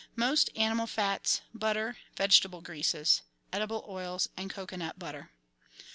— Most animal fats, butter, vegetable greases (edible oils and cocoanut butter).